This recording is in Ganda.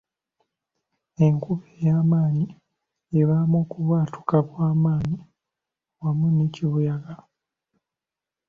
Enkuba eyamaanyi ebaamu okubwatuka kwamaanyi wamu ne kibuyaga.